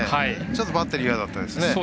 ちょっとバッテリー、嫌でしたね。